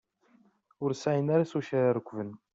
Ur sεin ara s wacu ara rekben.